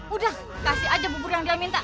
udah kasih aja bubur yang dia minta